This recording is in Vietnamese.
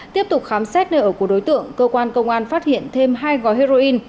tiếp tục khám xét nơi ở của đối tượng cơ quan công an phát hiện thêm hai gói heroin